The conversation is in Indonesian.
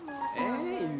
gak tau punya wafernya